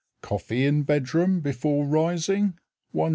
Coffee in bedroom before rising, 1s.